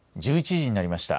１１時になりました。